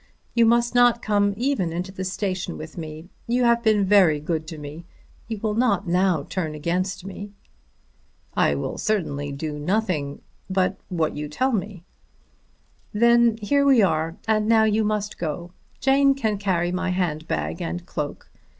You must not come even into the station with me. You have been very good to me. You will not now turn against me." "I certainly will do nothing but what you tell me." "Then here we are, and now you must go. Jane can carry my hand bag and cloak.